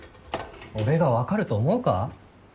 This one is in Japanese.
俺が分かると思うか？